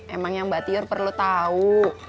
emang yang mbak tiur perlu tahu